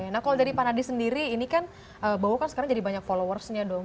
nah kalau dari pak nadie sendiri ini kan bowo kan sekarang jadi banyak followersnya dong